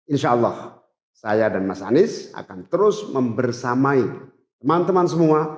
insya allah saya dan mas anies akan terus membersamai teman teman semua